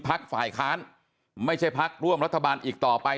ฝ่ายค้านไม่ใช่พักร่วมรัฐบาลอีกต่อไป